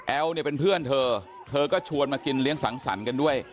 เนี่ยเป็นเพื่อนเธอเธอก็ชวนมากินเลี้ยงสังสรรค์กันด้วย